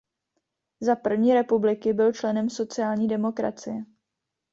Za první republiky byl členem sociální demokracie.